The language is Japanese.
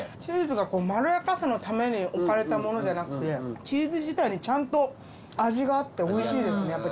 チーズがまろやかさのために置かれたものじゃなくてチーズ自体にちゃんと味があっておいしいですね。